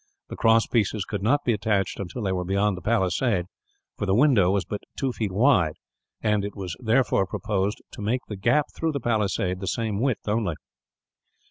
The cross pieces could not be attached until they were beyond the palisade; for the window was but two feet wide, and it was therefore proposed to make the gap through the palisade the same width, only.